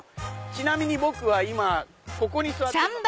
ちなみに僕は今ここに座っております。